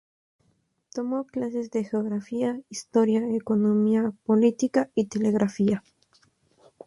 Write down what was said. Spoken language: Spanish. Tomó clases de geografía, historia, economía, política y telegrafía.